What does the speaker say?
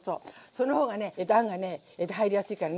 そのほうがねあんがね入りやすいからね。